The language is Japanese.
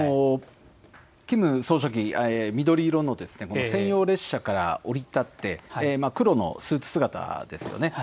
キム総書記、緑色の専用列車から降りたって、黒のスーツ姿ですよね。